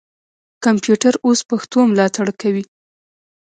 کمپیوټر اوس پښتو ملاتړ کوي.